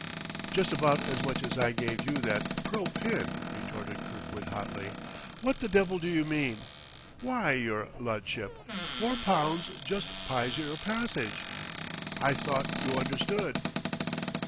"Just about as much as I gave you that pearl pin," retorted Kirkwood hotly. "What the devil do you mean " "W'y, yer ludship, four pounds jus pyes yer passyge; I thought you understood."